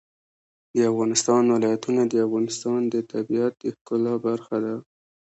د افغانستان ولايتونه د افغانستان د طبیعت د ښکلا برخه ده.